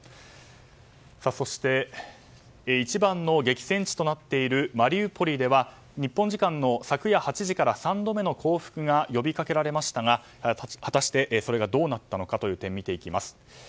そして、一番の激戦地となっているマリウポリでは日本時間の昨夜８時から３度目の降伏が呼びかけられましたが、果たしてそれがどうなったのかという点見ていきます。